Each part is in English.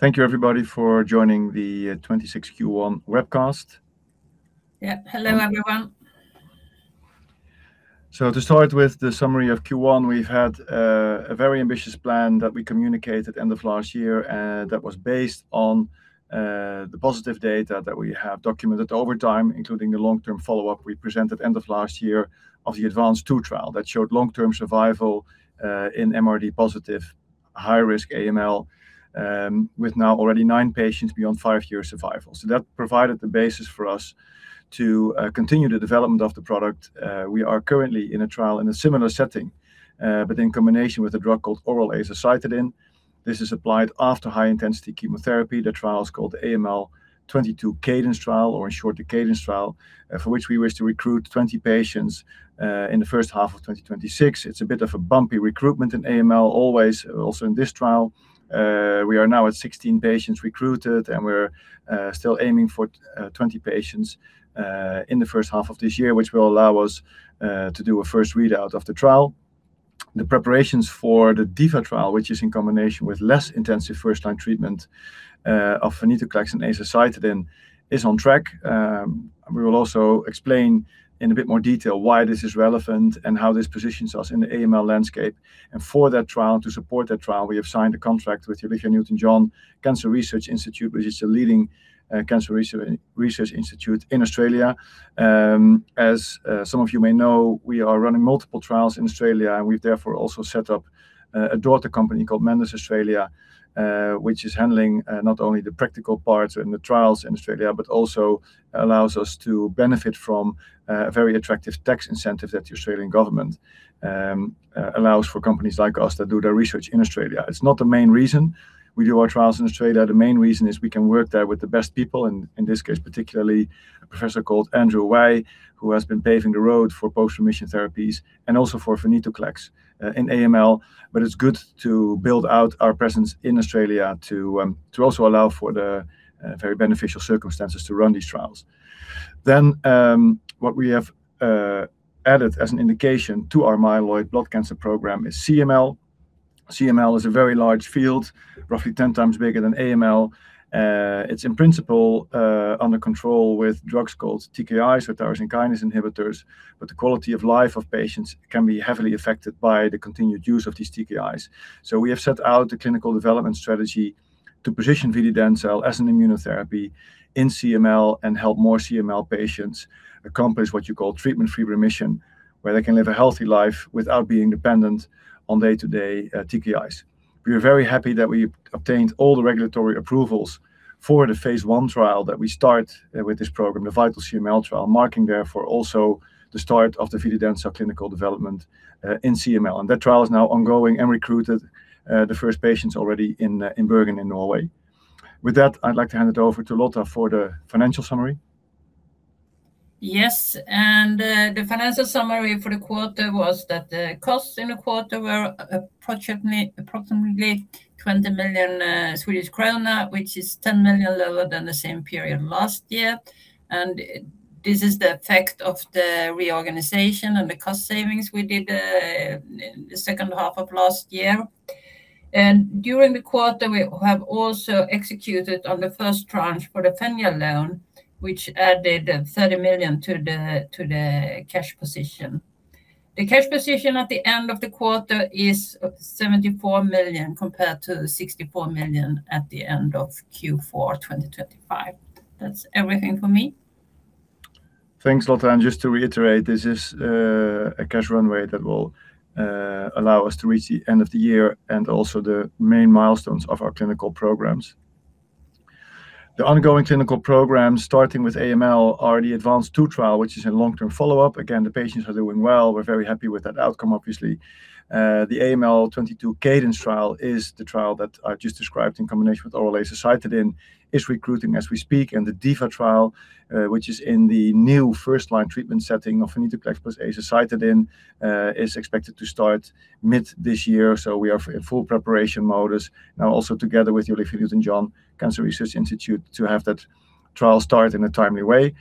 Thank you everybody for joining the 2026 Q1 webcast. Yeah. Hello, everyone. To start with the summary of Q1, we've had a very ambitious plan that we communicated end of last year, that was based on the positive data that we have documented over time, including the long-term follow-up we presented end of last year of the ADVANCE II trial that showed long-term survival in MRD positive high-risk AML, with now already nine patients beyond five-year survival. That provided the basis for us to continue the development of the product. We are currently in a trial in a similar setting, but in combination with a drug called oral azacitidine. This is applied after high-intensity chemotherapy. The trial is called AMLM22-CADENCE trial, or in short the CADENCE trial, for which we wish to recruit 20 patients in the first half of 2026. It's a bit of a bumpy recruitment in AML always, also in this trial. We are now at 16 patients recruited, and we're still aiming for 20 patients in the first half of this year, which will allow us to do a first readout of the trial. The preparations for the DIVA trial, which is in combination with less intensive first-line treatment of venetoclax and azacitidine is on track. We will also explain in a bit more detail why this is relevant and how this positions us in the AML landscape. For that trial, to support that trial, we have signed a contract with the Olivia Newton-John Cancer Research Institute, which is a leading cancer research institute in Australia. As some of you may know, we are running multiple trials in Australia, and we've therefore also set up a daughter company called Mendus Australia, which is handling not only the practical parts in the trials in Australia, but also allows us to benefit from a very attractive tax incentive that the Australian government allows for companies like us that do their research in Australia. It's not the main reason we do our trials in Australia. The main reason is we can work there with the best people, and in this case particularly a professor called Andrew Wei, who has been paving the road for post-remission therapies and also for venetoclax in AML. It's good to build out our presence in Australia to also allow for the very beneficial circumstances to run these trials. What we have added as an indication to our myeloid blood cancer program is CML. CML is a very large field, roughly 10 times bigger than AML. It's in principle under control with drugs called TKIs, or tyrosine kinase inhibitors, but the quality of life of patients can be heavily affected by the continued use of these TKIs. We have set out the clinical development strategy to position vididencel as an immunotherapy in CML and help more CML patients accomplish what you call treatment-free remission, where they can live a healthy life without being dependent on day-to-day TKIs. We are very happy that we obtained all the regulatory approvals for the phase I trial that we start with this program, the VITAL-CML trial, marking therefore also the start of the vididencel clinical development in CML. That trial is now ongoing and recruited the first patients already in Bergen in Norway. With that, I'd like to hand it over to Lotta for the financial summary. Yes. The financial summary for the quarter was that the costs in the quarter were approximately 20 million Swedish krona, which is 10 million lower than the same period last year. This is the effect of the reorganization and the cost savings we did in the second half of last year. During the quarter, we have also executed on the first tranche for the Fenja loan, which added 30 million to the cash position. The cash position at the end of the quarter is 74 million compared to 64 million at the end of Q4 2025. That's everything from me. Thanks, Lotta. Just to reiterate, this is a cash runway that will allow us to reach the end of the year and also the main milestones of our clinical programs. The ongoing clinical programs, starting with AML, are the ADVANCE II trial, which is a long-term follow-up. Again, the patients are doing well. We're very happy with that outcome obviously. The amlm22-CADENCE trial is the trial that I've just described in combination with oral azacitidine, is recruiting as we speak. The DIVA trial, which is in the new first-line treatment setting of venetoclax plus azacitidine, is expected to start mid this year. We are in full preparation modus now also together with Olivia Newton-John Cancer Research Institute to have that trial start in a timely way.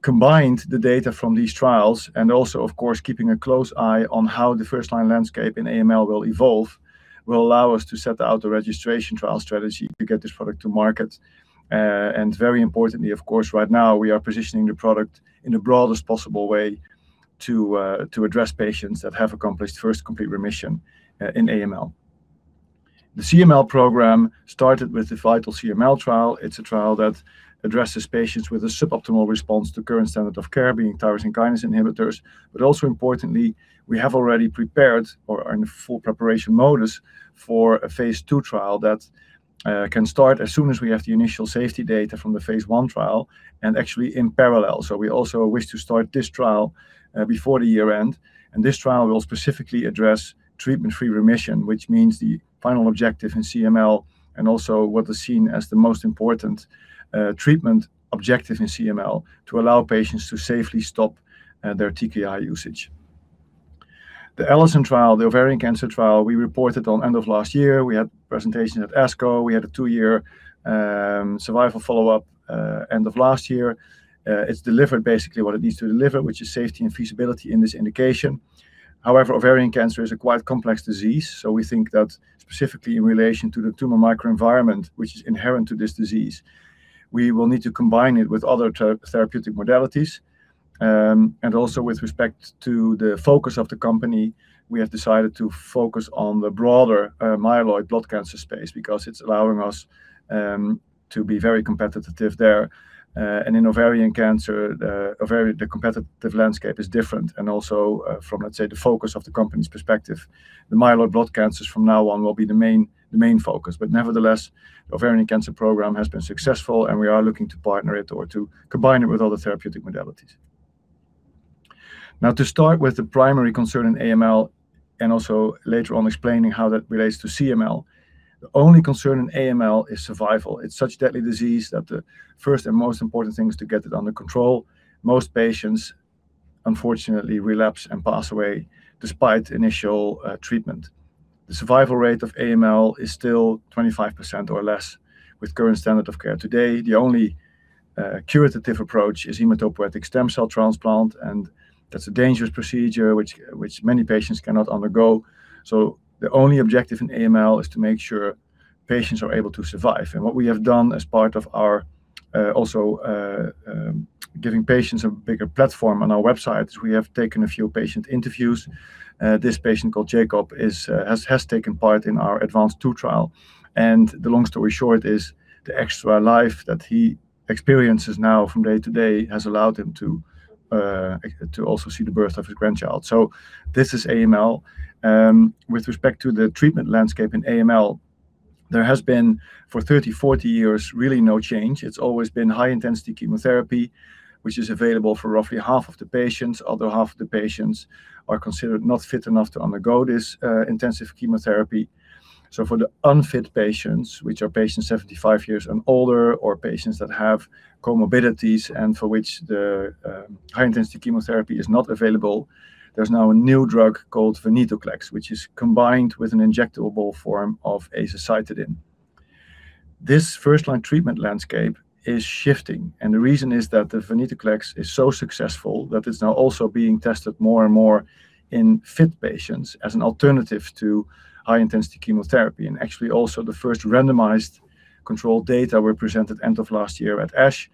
Combined, the data from these trials, and also of course keeping a close eye on how the first-line landscape in AML will evolve, will allow us to set out the registration trial strategy to get this product to market. Very importantly, of course, right now we are positioning the product in the broadest possible way to address patients that have accomplished first complete remission in AML. The CML program started with the VITAL-CML trial. It's a trial that addresses patients with a suboptimal response to current standard of care being tyrosine kinase inhibitors. Also importantly, we have already prepared or are in full preparation modus for a phase II trial that can start as soon as we have the initial safety data from the phase I trial and actually in parallel. We also wish to start this trial before the year-end. This trial will specifically address treatment-free remission, which means the final objective in CML and also what is seen as the most important treatment objective in CML to allow patients to safely stop their TKI usage. The ALISON trial, the ovarian cancer trial, we reported on end of last year. We had presentation at ASCO. We had a two-year survival follow-up end of last year. It's delivered basically what it needs to deliver, which is safety and feasibility in this indication. However, ovarian cancer is a quite complex disease, so we think that specifically in relation to the tumor microenvironment, which is inherent to this disease, we will need to combine it with other therapeutic modalities. With respect to the focus of the company, we have decided to focus on the broader myeloid blood cancer space because it's allowing us to be very competitive there. In ovarian cancer, the competitive landscape is different and also, from, let's say, the focus of the company's perspective. The myeloid blood cancers from now on will be the main focus. The ovarian cancer program has been successful, and we are looking to partner it or to combine it with other therapeutic modalities. Now, to start with the primary concern in AML, and also later on explaining how that relates to CML, the only concern in AML is survival. It's such deadly disease that the first and most important thing is to get it under control. Most patients, unfortunately, relapse and pass away despite initial treatment. The survival rate of AML is still 25% or less with current standard of care. Today, the only curative approach is hematopoietic stem cell transplant, and that's a dangerous procedure which many patients cannot undergo. The only objective in AML is to make sure patients are able to survive. What we have done as part of our also giving patients a bigger platform on our websites, we have taken a few patient interviews. This patient called Jacob has taken part in our ADVANCE II trial, the long story short is, the extra life that he experiences now from day to day has allowed him to also see the birth of his grandchild. This is AML. With respect to the treatment landscape in AML, there has been, for 30, 40 years, really no change. It's always been high-intensity chemotherapy, which is available for roughly half of the patients, although half the patients are considered not fit enough to undergo this intensive chemotherapy. For the unfit patients, which are patients 75 years and older, or patients that have comorbidities and for which the high-intensity chemotherapy is not available, there's now a new drug called venetoclax, which is combined with an injectable form of azacitidine. This first-line treatment landscape is shifting, and the reason is that the venetoclax is so successful that it's now also being tested more and more in fit patients as an alternative to high-intensity chemotherapy. Actually, also the first randomized controlled data were presented end of last year at ASH.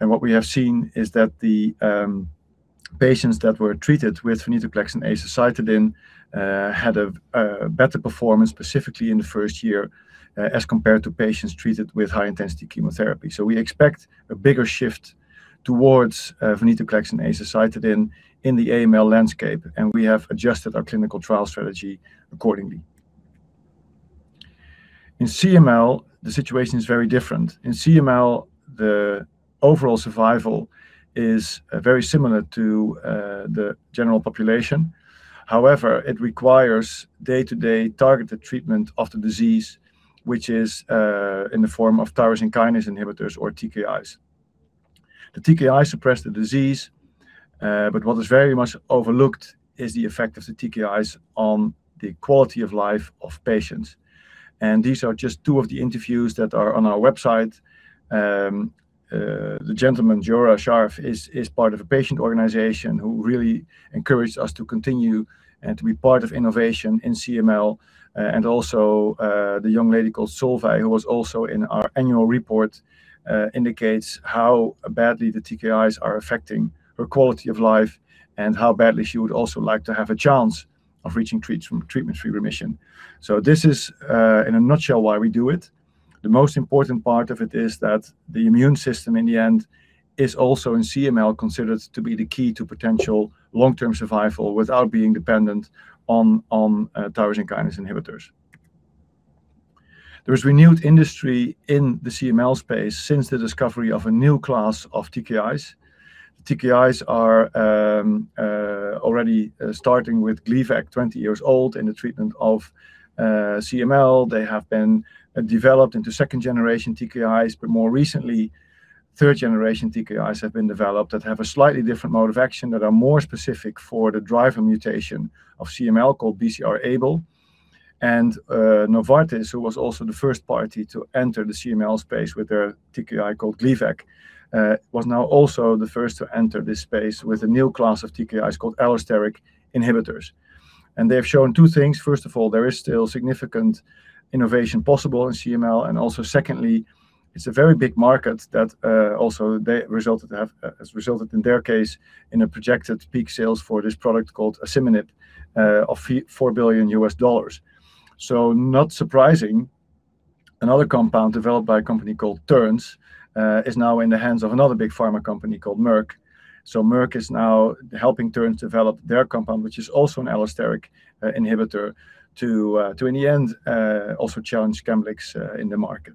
What we have seen is that the patients that were treated with venetoclax and azacitidine had a better performance, specifically in the first year, as compared to patients treated with high-intensity chemotherapy. We expect a bigger shift towards venetoclax and azacitidine in the AML landscape, and we have adjusted our clinical trial strategy accordingly. In CML, the situation is very different. In CML, the overall survival is very similar to the general population. However, it requires day-to-day targeted treatment of the disease, which is in the form of tyrosine kinase inhibitors or TKIs. The TKIs suppress the disease, but what is very much overlooked is the effect of the TKIs on the quality of life of patients. These are just two of the interviews that are on our website. The gentleman, Göran Scharmer, is part of a patient organization who really encouraged us to continue and to be part of innovation in CML. Also, the young lady called Solveig, who was also in our annual report, indicates how badly the TKIs are affecting her quality of life and how badly she would also like to have a chance of reaching treatment-free remission. This is in a nutshell why we do it. The most important part of it is that the immune system, in the end, is also, in CML, considered to be the key to potential long-term survival without being dependent on tyrosine kinase inhibitors. There is renewed industry in the CML space since the discovery of a new class of TKIs. TKIs are already starting with Gleevec, 20 years old in the treatment of CML. They have been developed into second-generation TKIs. More recently, third-generation TKIs have been developed that have a slightly different mode of action that are more specific for the driver mutation of CML called BCR-ABL. Novartis, who was also the first party to enter the CML space with a TKI called Gleevec, was now also the first to enter this space with a new class of TKIs called allosteric inhibitors. They have shown two things. First of all, there is still significant innovation possible in CML. Secondly, it's a very big market that also they resulted to have, has resulted, in their case, in a projected peak sales for this product called asciminib, of $4 billion. Not surprising, another compound developed by a company called Terns, is now in the hands of another big pharma company called Merck. Merck is now helping Terns develop their compound, which is also an allosteric inhibitor to, in the end, also challenge Scemblix in the market.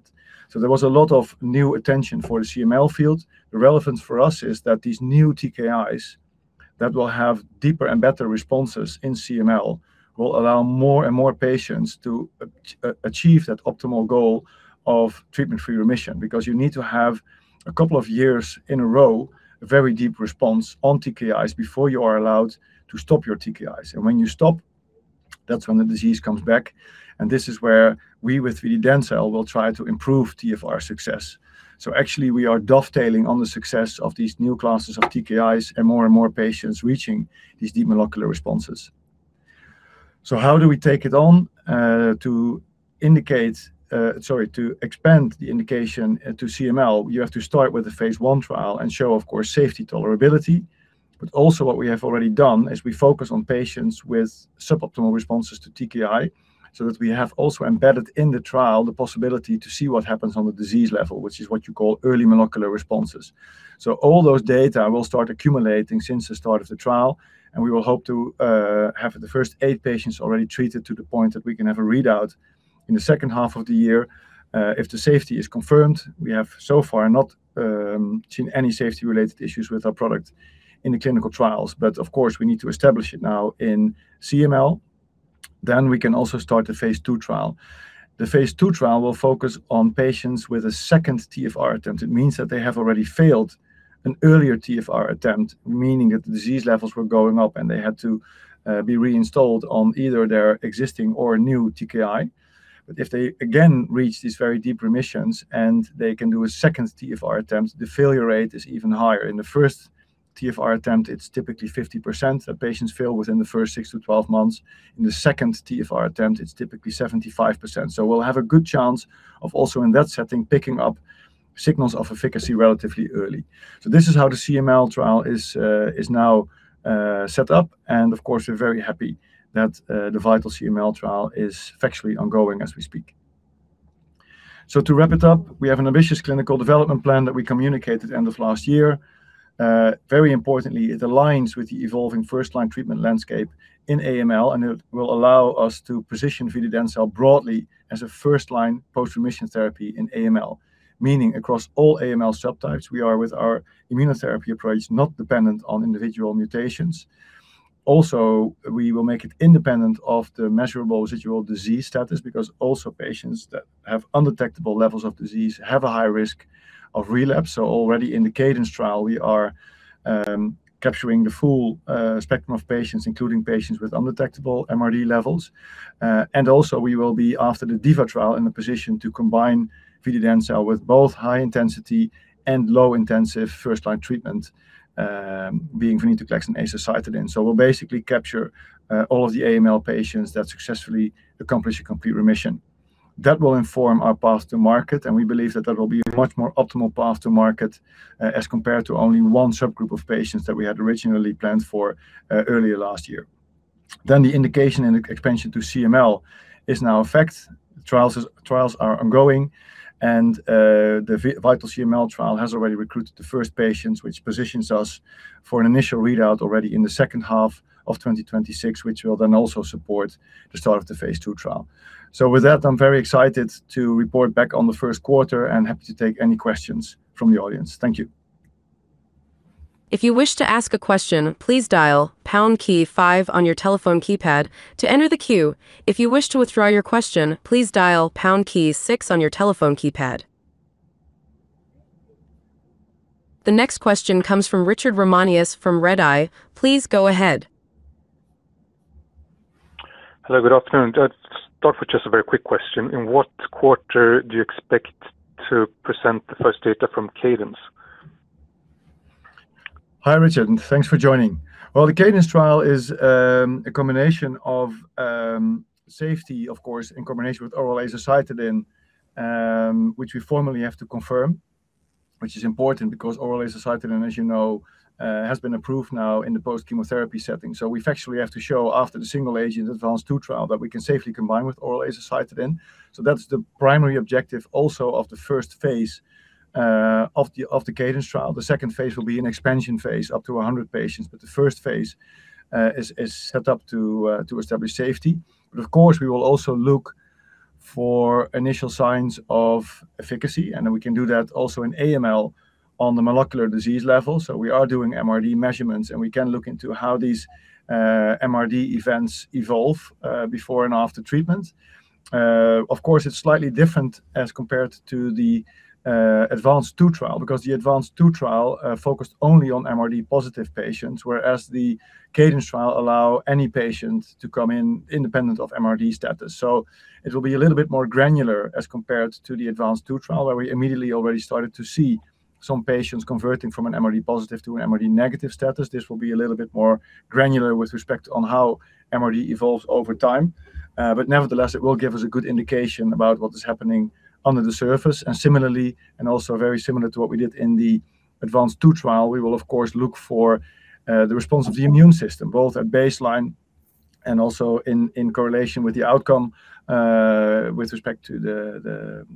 There was a lot of new attention for the CML field. The relevance for us is that these new TKIs that will have deeper and better responses in CML will allow more and more patients to achieve that optimal goal of treatment-free remission, because you need to have a couple of years in a row a very deep response on TKIs before you are allowed to stop your TKIs. When you stop, that's when the disease comes back, and this is where we with vididencel will try to improve TFR success. Actually, we are dovetailing on the success of these new classes of TKIs and more and more patients reaching these deep molecular responses. How do we take it on to expand the indication to CML, you have to start with a phase I trial and show, of course, safety tolerability. Also what we have already done is we focus on patients with suboptimal responses to TKI so that we have also embedded in the trial the possibility to see what happens on the disease level, which is what you call early molecular responses. All those data will start accumulating since the start of the trial, and we will hope to have the first eight patients already treated to the point that we can have a readout in the second half of the year. If the safety is confirmed, we have so far not seen any safety-related issues with our product in the clinical trials, but of course, we need to establish it now in CML. We can also start the phase II trial. The phase II trial will focus on patients with a second TFR attempt. It means that they have already failed an earlier TFR attempt, meaning that the disease levels were going up and they had to be reinstalled on either their existing or new TKI. If they again reach these very deep remissions and they can do a second TFR attempt, the failure rate is even higher. In the first TFR attempt, it's typically 50% that patients fail within the first six to 12 months. In the second TFR attempt, it's typically 75%. We'll have a good chance of also in that setting, picking up signals of efficacy relatively early. This is how the CML trial is now set up. Of course, we're very happy that the VITAL-CML trial is factually ongoing as we speak. To wrap it up, we have an ambitious clinical development plan that we communicated end of last year. Very importantly, it aligns with the evolving first-line treatment landscape in AML, and it will allow us to position vididencel broadly as a first-line post-remission therapy in AML, meaning across all AML subtypes, we are with our immunotherapy approach, not dependent on individual mutations. Also, we will make it independent of the measurable residual disease status because also patients that have undetectable levels of disease have a high risk of relapse. Already in the CADENCE trial, we are capturing the full spectrum of patients, including patients with undetectable MRD levels. Also we will be after the DIVA trial in the position to combine vididencel with both high intensity and low intensive first-line treatment, being venetoclax and azacitidine. We'll basically capture all of the AML patients that successfully accomplish a complete remission. That will inform our path to market, and we believe that that will be a much more optimal path to market, as compared to only one subgroup of patients that we had originally planned for earlier last year. The indication and expansion to CML is now effect. Trials are ongoing, and the VITAL-CML trial has already recruited the first patients, which positions us for an initial readout already in the second half of 2026, which will then also support the start of the phase II trial. With that, I'm very excited to report back on the first quarter and happy to take any questions from the audience. Thank you. If you wish to ask a question, dial pound key five to enter the queue. If you wish to withdraw your question please dial pound key six on your telephone keypad. The next question comes from Richard Ramanius from Redeye. Please go ahead. Hello, good afternoon. I'll start with just a very quick question. In what quarter do you expect to present the first data from CADENCE? Hi, Richard, and thanks for joining. The CADENCE trial is a combination of safety, of course, in combination with oral azacitidine, which we formally have to confirm, which is important because oral azacitidine, as you know, has been approved now in the post-chemotherapy setting. We factually have to show after the single agent ADVANCE II trial that we can safely combine with oral azacitidine. That's the primary objective also of the phase I of the CADENCE trial. The phase II will be an expansion phase up to 100 patients, the phase I is set up to establish safety. Of course, we will also look for initial signs of efficacy, and we can do that also in AML on the molecular disease level. We are doing MRD measurements, and we can look into how these MRD events evolve before and after treatment. Of course, it's slightly different as compared to the ADVANCE II trial because the ADVANCE II trial focused only on MRD positive patients, whereas the CADENCE trial allow any patient to come in independent of MRD status. It will be a little bit more granular as compared to the ADVANCE II trial, where we immediately already started to see some patients converting from an MRD positive to an MRD negative status. This will be a little bit more granular with respect on how MRD evolves over time. Nevertheless, it will give us a good indication about what is happening under the surface. Similarly, and also very similar to what we did in the ADVANCE II trial, we will of course look for the response of the immune system, both at baseline and also in correlation with the outcome with respect to the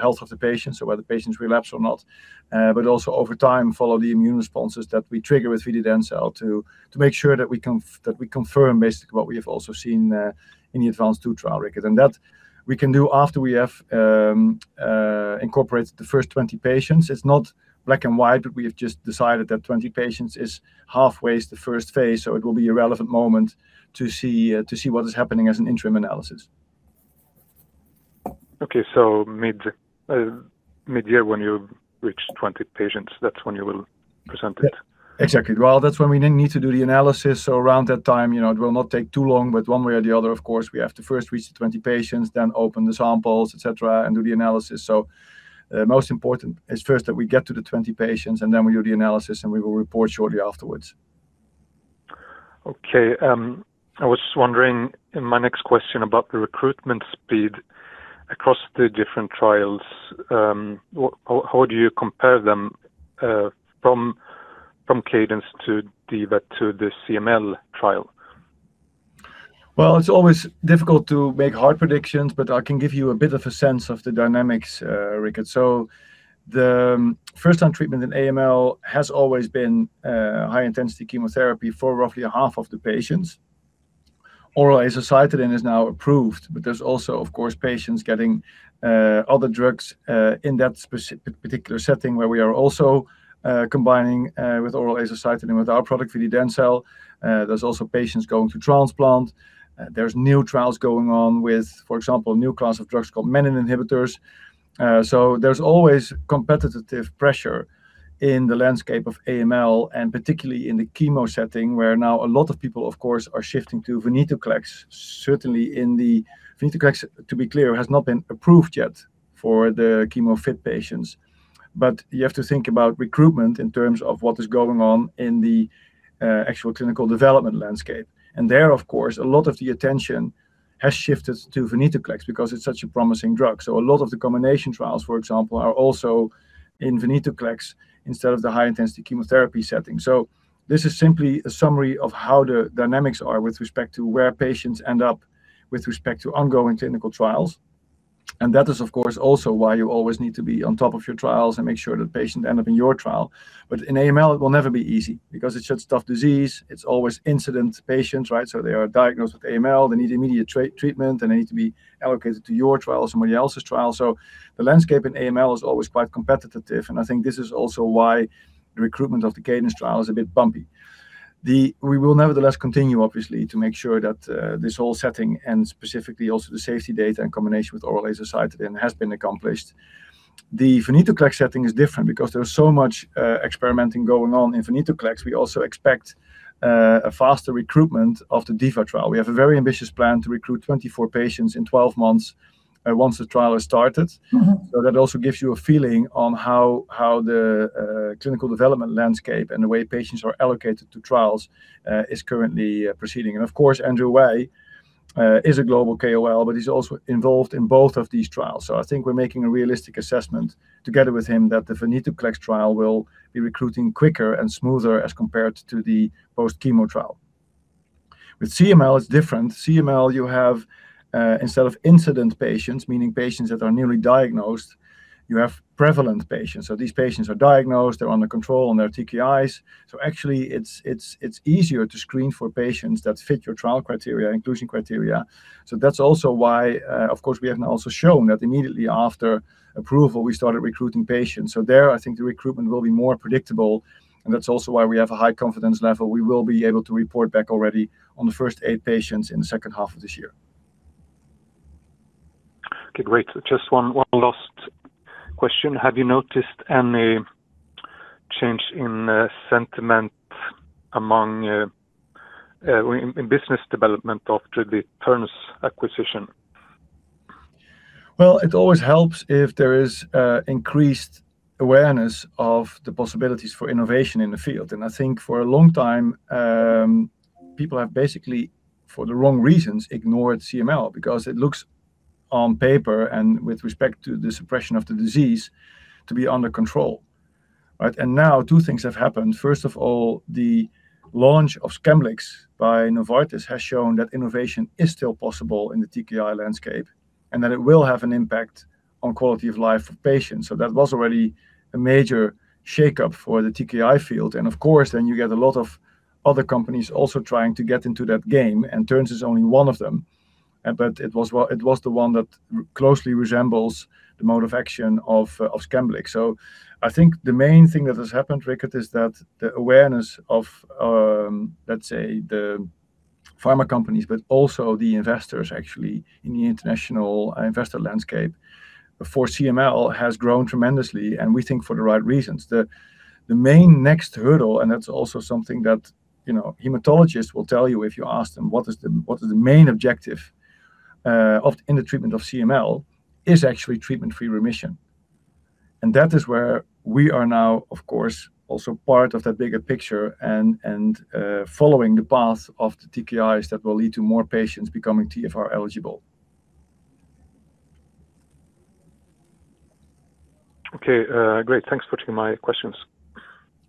health of the patient, so whether patients relapse or not. Also over time, follow the immune responses that we trigger with vididencel to make sure that we confirm basically what we have also seen in the ADVANCE II trial record. That we can do after we have incorporated the first 20 patients. It is not black and white, but we have just decided that 20 patients is halfway is the first phase, so it will be a relevant moment to see what is happening as an interim analysis. Mid-year when you've reached 20 patients, that's when you will present it? Yeah. Exactly. That's when we then need to do the analysis, around that time, you know, it will not take too long, but one way or the other, of course, we have to first reach the 20 patients, then open the samples, et cetera, and do the analysis. The most important is first that we get to the 20 patients, and then we do the analysis, and we will report shortly afterwards. Okay. I was just wondering, in my next question, about the recruitment speed across the different trials. How do you compare them, from CADENCE to DIVA to the CML trial? Well, it's always difficult to make hard predictions, but I can give you a bit of a sense of the dynamics, Richard. The first-line treatment in AML has always been high-intensity chemotherapy for roughly half of the patients. oral azacitidine is now approved, but there's also, of course, patients getting other drugs in that particular setting where we are also combining with oral azacitidine with our product, vididencel. There's also patients going through transplant. There's new trials going on with, for example, a new class of drugs called menin inhibitors. There's always competitive pressure in the landscape of AML, and particularly in the chemo setting, where now a lot of people, of course, are shifting to venetoclax. venetoclax, to be clear, has not been approved yet for the chemo-fit patients. You have to think about recruitment in terms of what is going on in the actual clinical development landscape. There, of course, a lot of the attention has shifted to venetoclax because it's such a promising drug. A lot of the combination trials, for example, are also in venetoclax instead of the high-intensity chemotherapy setting. This is simply a summary of how the dynamics are with respect to where patients end up with respect to ongoing clinical trials, and that is, of course, also why you always need to be on top of your trials and make sure that patients end up in your trial. In AML, it will never be easy because it's such tough disease. It's always incident patients, right? They are diagnosed with AML, they need immediate treatment, and they need to be allocated to your trial or somebody else's trial. The landscape in AML is always quite competitive, and I think this is also why recruitment of the CADENCE trial is a bit bumpy. We will nevertheless continue, obviously, to make sure that this whole setting and specifically also the safety data in combination with oral azacitidine has been accomplished. The venetoclax setting is different because there is so much experimenting going on in venetoclax. We also expect a faster recruitment of the DIVA trial. We have a very ambitious plan to recruit 24 patients in 12 months once the trial has started. That also gives you a feeling on how the clinical development landscape and the way patients are allocated to trials is currently proceeding. Of course, Andrew Wei is a global KOL, but he is also involved in both of these trials. I think we're making a realistic assessment together with him that the venetoclax trial will be recruiting quicker and smoother as compared to the post-chemo trial. With CML, it's different. CML, you have instead of incident patients, meaning patients that are newly diagnosed, you have prevalent patients. These patients are diagnosed, they're under control on their TKIs, so actually it's easier to screen for patients that fit your trial criteria, inclusion criteria. That's also why, of course, we have now also shown that immediately after approval, we started recruiting patients. There I think the recruitment will be more predictable, and that's also why we have a high confidence level. We will be able to report back already on the first eight patients in the second half of this year. Okay, great. Just one last question. Have you noticed any change in sentiment among in business development after the Terns acquisition? It always helps if there is increased awareness of the possibilities for innovation in the field. I think for a long time, people have basically, for the wrong reasons, ignored CML because it looks on paper and with respect to the suppression of the disease to be under control, right? Now two things have happened. First of all, the launch of Scemblix by Novartis has shown that innovation is still possible in the TKI landscape and that it will have an impact on quality of life for patients. That was already a major shakeup for the TKI field. Of course, then you get a lot of other companies also trying to get into that game, Terns is only one of them, but it was the one that closely resembles the mode of action of Scemblix. I think the main thing that has happened, Richard, is that the awareness of, let's say the pharma companies, but also the investors actually in the international investor landscape for CML has grown tremendously, and we think for the right reasons. The main next hurdle, and that's also something that, you know, hematologists will tell you if you ask them what is the, what is the main objective, of, in the treatment of CML, is actually treatment-free remission. That is where we are now, of course, also part of that bigger picture and following the path of the TKIs that will lead to more patients becoming TFR eligible. Okay. great. Thanks for taking my questions.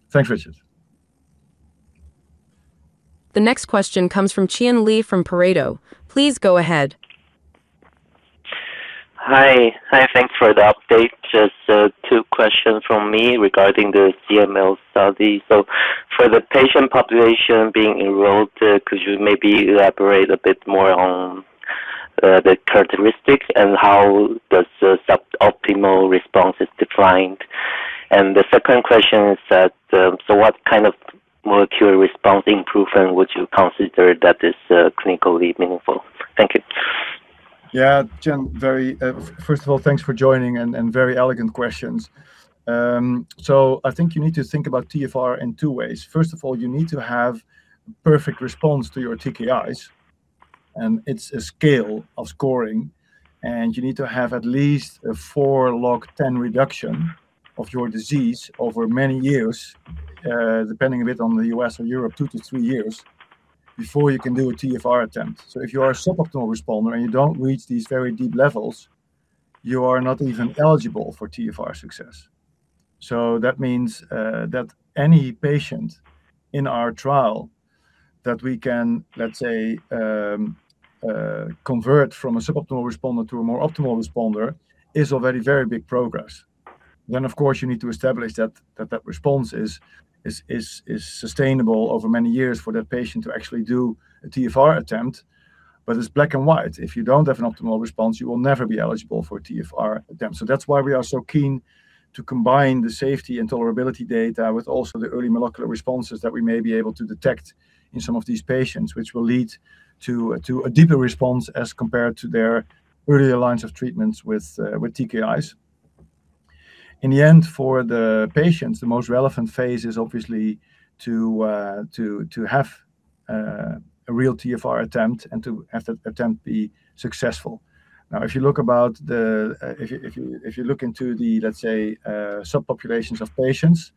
Thanks, Richard. The next question comes from Chien-Hsun Lee from Pareto. Please go ahead. Hi. Hi, thanks for the update. Just two questions from me regarding the CML study. For the patient population being enrolled, could you maybe elaborate a bit more on the characteristics and how optimal response is defined. The second question is that what kind of molecular response improvement would you consider that is clinically meaningful? Thank you. Yeah. Chien-Hsun, very, first of all, thanks for joining and very elegant questions. I think you need to think about TFR in two ways. First of all, you need to have perfect response to your TKIs, and it's a scale of scoring, and you need to have at least a 4 log 10 reduction of your disease over many years, depending a bit on the U.S. or Europe, two to three years before you can do a TFR attempt. If you are a suboptimal responder and you don't reach these very deep levels, you are not even eligible for TFR success. That means that any patient in our trial that we can, let's say, convert from a suboptimal responder to a more optimal responder is already very big progress. Of course, you need to establish that response is sustainable over many years for that patient to actually do a TFR attempt, but it's black and white. If you don't have an optimal response, you will never be eligible for a TFR attempt. That's why we are so keen to combine the safety and tolerability data with also the early molecular responses that we may be able to detect in some of these patients, which will lead to a deeper response as compared to their earlier lines of treatments with TKIs. In the end, for the patients, the most relevant phase is obviously to have a real TFR attempt and to have that attempt be successful. Now, if you look into the, let's say, subpopulations of patients,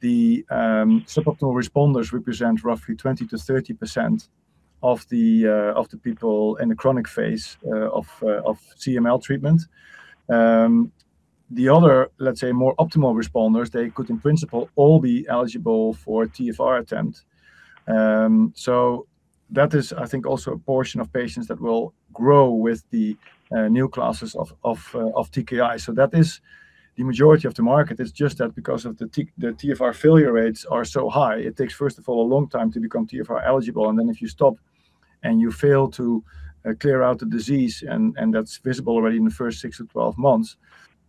the suboptimal responders represent roughly 20%-30% of the people in the chronic phase of CML treatment. The other, let's say, more optimal responders, they could in principle all be eligible for a TFR attempt. That is, I think, also a portion of patients that will grow with the new classes of TKI. That is the majority of the market. It's just that because of the TFR failure rates are so high, it takes, first of all, a long time to become TFR-eligible. Then if you stop and you fail to clear out the disease and that's visible already in the first 6 to 12 months,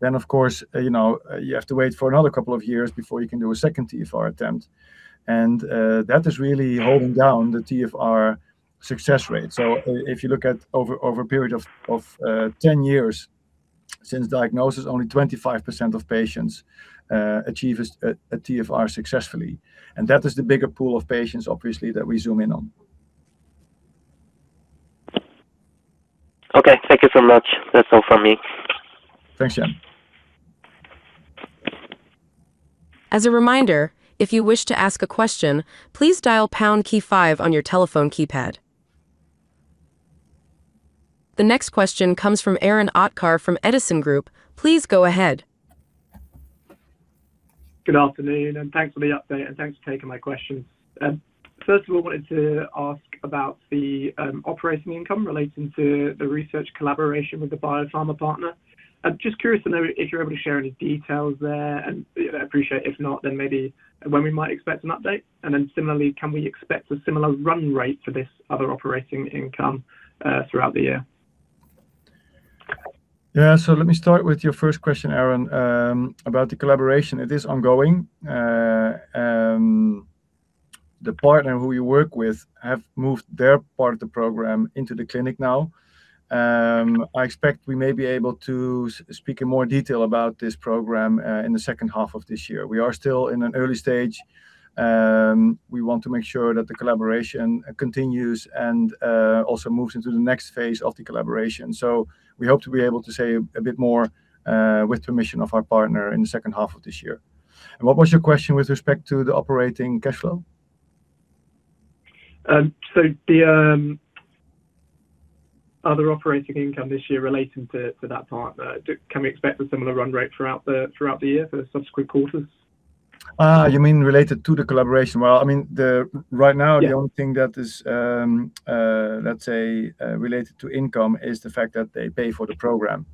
then of course, you know, you have to wait for another two years before you can do a second TFR attempt. That is really holding down the TFR success rate. If you look at over a period of 10 years since diagnosis, only 25% of patients achieve a TFR successfully, and that is the bigger pool of patients, obviously, that we zoom in on. Okay. Thank you so much. That is all from me. Thanks, Chien-Hsun. As a reminder, if you wish to ask a question, please dial pound key five ion your telephone keypad. The next question comes from Arron Aatkar from Edison Group. Please go ahead. Good afternoon, thanks for the update, and thanks for taking my questions. First of all, wanted to ask about the operating income relating to the research collaboration with the biopharma partner. I'm just curious to know if you're able to share any details there, and I appreciate if not, then maybe when we might expect an update. Similarly, can we expect a similar run rate for this other operating income throughout the year? Yeah. Let me start with your first question, Arron. About the collaboration. It is ongoing. The partner who we work with have moved their part of the program into the clinic now. I expect we may be able to speak in more detail about this program in the second half of this year. We are still in an early stage. We want to make sure that the collaboration continues and also moves into the next phase of the collaboration. We hope to be able to say a bit more with permission of our partner in the second half of this year. What was your question with respect to the operating cash flow? The other operating income this year relating to that partner, can we expect a similar run rate throughout the year for subsequent quarters? You mean related to the collaboration? Well, I mean, Right now. Yeah The only thing that is, let's say, related to income is the fact that they pay for the program,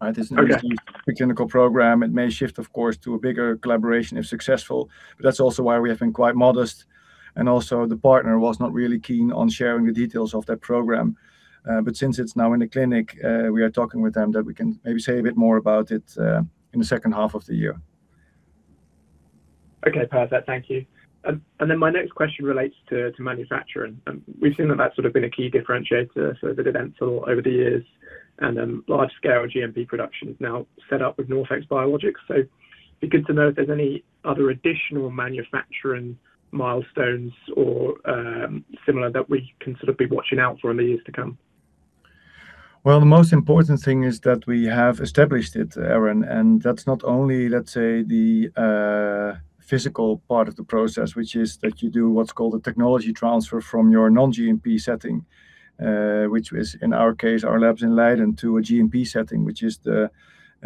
right? Okay. It's a newly clinical program. It may shift, of course, to a bigger collaboration if successful, but that's also why we have been quite modest. Also, the partner was not really keen on sharing the details of that program. Since it's now in the clinic, we are talking with them that we can maybe say a bit more about it in the second half of the year. Okay. Perfect. Thank you. My next question relates to manufacturing. We've seen that that's sort of been a key differentiator for vididencel over the years, and then large scale GMP production is now set up with NorthX Biologics. It'd be good to know if there's any other additional manufacturing milestones or similar that we can sort of be watching out for in the years to come. Well, the most important thing is that we have established it, Arron, that's not only, let's say, the physical part of the process, which is that you do what's called a technology transfer from your non-GMP setting, which is in our case, our labs in Leiden, to a GMP setting, which is the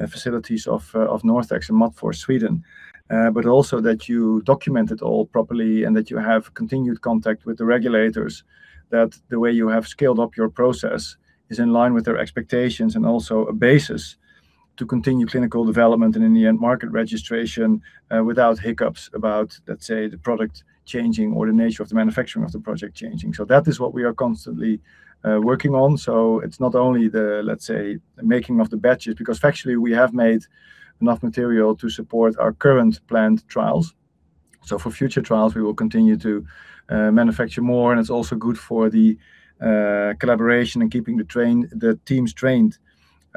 facilities of NorthX in Motala, Sweden. But also that you document it all properly and that you have continued contact with the regulators, that the way you have scaled up your process is in line with their expectations and also a basis to continue clinical development and in the end market registration without hiccups about, let's say, the product changing or the nature of the manufacturing of the project changing. That is what we are constantly working on. It's not only the, let's say, making of the batches, because factually, we have made enough material to support our current planned trials. For future trials, we will continue to manufacture more, and it's also good for the collaboration and keeping the teams trained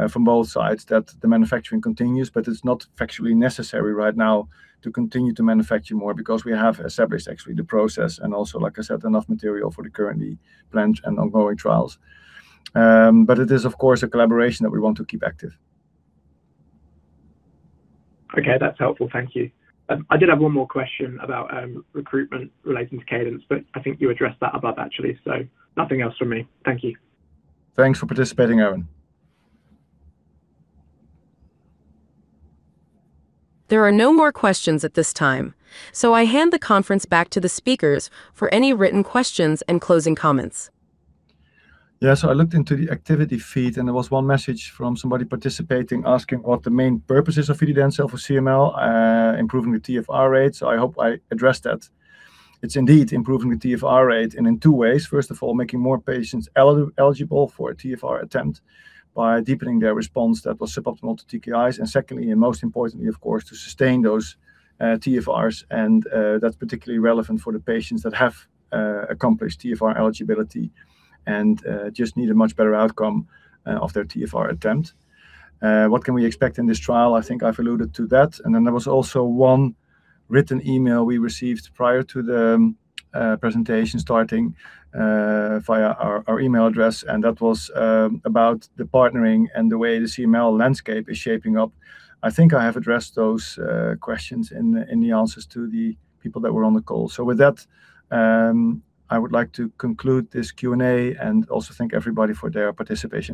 from both sides that the manufacturing continues. It's not factually necessary right now to continue to manufacture more because we have established actually the process and also, like I said, enough material for the currently planned and ongoing trials. It is of course, a collaboration that we want to keep active. Okay, that's helpful. Thank you. I did have one more question about recruitment relating to CADENCE, but I think you addressed that above actually, so nothing else from me. Thank you. Thanks for participating, Arron. There are no more questions at this time. I hand the conference back to the speakers for any written questions and closing comments. Yeah. I looked into the activity feed, and there was one message from somebody participating, asking what the main purpose is of vididencel for CML, improving the TFR rate. I hope I addressed that. It is indeed improving the TFR rate and in two ways. First of all, making more patients eligible for a TFR attempt by deepening their response that was suboptimal to TKIs. Secondly, and most importantly, of course, to sustain those TFRs and that's particularly relevant for the patients that have accomplished TFR eligibility and just need a much better outcome of their TFR attempt. What can we expect in this trial? I think I've alluded to that. There was also one written email we received prior to the presentation starting via our email address. That was about the partnering and the way the CML landscape is shaping up. I think I have addressed those questions in the answers to the people that were on the call. With that, I would like to conclude this Q&A and also thank everybody for their participation.